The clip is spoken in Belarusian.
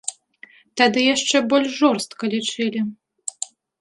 Тады яшчэ больш жорстка лічылі.